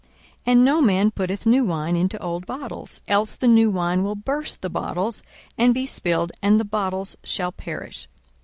42:005:037 And no man putteth new wine into old bottles; else the new wine will burst the bottles, and be spilled, and the bottles shall perish.